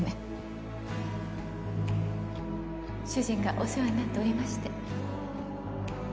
主人がお世話になっておりまして